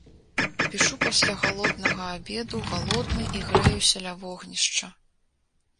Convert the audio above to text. Пішу пасля галоднага абеду галодны і грэюся ля вогнішча.